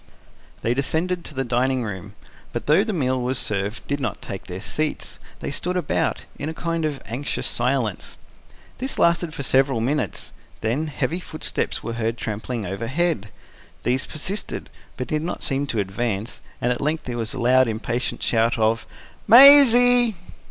They descended to the dining room, but though the meal was served, did not take their seats: they stood about, in a kind of anxious silence. This lasted for several minutes; then, heavy footsteps were heard trampling overhead: these persisted, but did not seem to advance, and at length there was a loud, impatient shout of: "Maisie!"